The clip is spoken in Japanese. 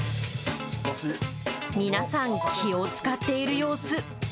皆さん、気を遣っている様子。